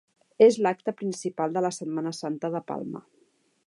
És l'acte principal de la Setmana Santa de Palma.